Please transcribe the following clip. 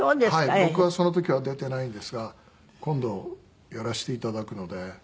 僕はその時は出てないんですが今度やらせて頂くので。